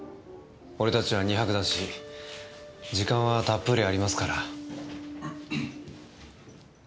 俺たちは２泊だし時間はたっぷりありますから。